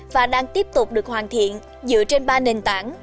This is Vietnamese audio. và đang tiếp tục được hoàn thiện dựa trên ba nền tảng